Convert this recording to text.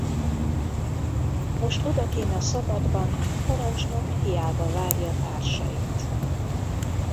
Most odakinn a szabadban a parancsnok hiába várja társait.